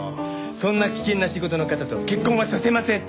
そんな危険な仕事の方と結婚はさせません！